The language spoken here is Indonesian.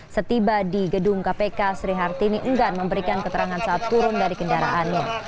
setiba di gedung kpk sri hartini enggan memberikan keterangan saat turun dari kendaraannya